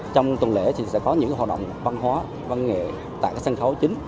trong tuần lễ thì sẽ có những hoạt động văn hóa văn nghệ tại các sân khấu chính